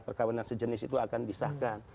perkawinan sejenis itu akan disahkan